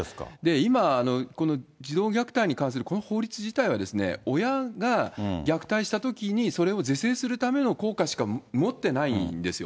今、この児童虐待に関するこの法律自体は親が虐待したときに、それを是正するための効果しか持ってないんですよ。